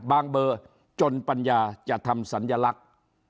เบอร์จนปัญญาจะทำสัญลักษณ์